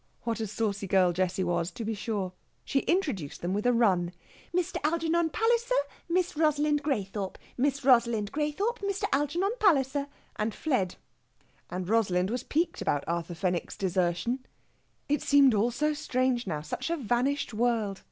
What a saucy girl Jessie was, to be sure! She introduced them with a run, "Mr. Algernon Palliser, Miss Rosalind Graythorpe, Miss Rosalind Graythorpe, Mr. Algernon Palliser," and fled. And Rosalind was piqued about Arthur Fenwick's desertion. It seemed all so strange now such a vanished world!